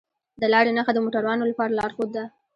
د لارې نښه د موټروانو لپاره لارښود ده.